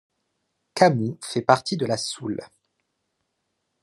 Camou fait partie de la Soule.